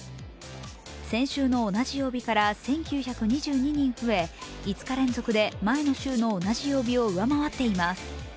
先週の同じ曜日から１９２２人増え５日連続で前の週の同じ曜日を上回っています。